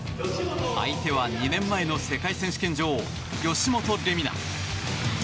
相手は２年前の世界選手権女王吉元玲美那。